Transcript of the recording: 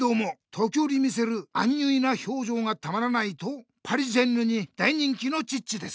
時おり見せるアンニュイな表情がたまらないとパリジェンヌに大人気のチッチです。